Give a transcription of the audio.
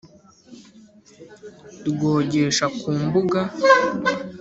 . Rwogesha ku mbuga,